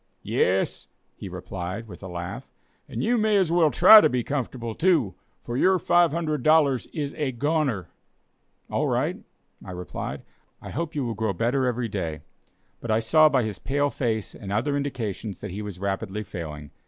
"Yes," he replied, with a laugh; "and you may as well try to be comfortable, too, for your $500 is a goner." "All right," I replied, "I hope you will grow better every day." But I saw by his pale face and other indications that he was rapidly failing.